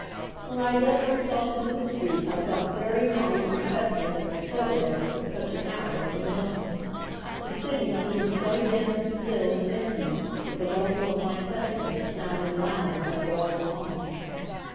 When I had let myself into the street I felt very naughty and festive in my furbelows at such an hour of the morning. The city seemed so dim and still and empty that the rustle of my petticoats sounded loud as I walked along.